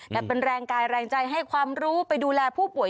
แต่เป็นแรงกายแรงใจให้ความรู้ไปดูแลผู้ป่วย